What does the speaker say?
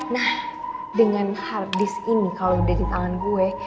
nah dengan hard disk ini kalau udah di tangan gue